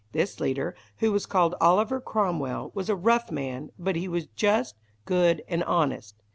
This leader, who was called Oliver Cromwell, was a rough man, but he was just, good, and honest.